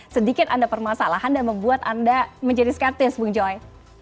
sedikit anda permasalahan dan membuat anda menjadi skeptis bung joy